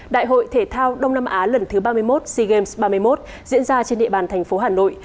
đại hội thể thao đông nam á lần thứ ba mươi một sea games ba mươi một diễn ra trên địa bàn thành phố hà nội